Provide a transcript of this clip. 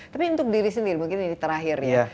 tapi untuk diri sendiri mungkin ini terakhir ya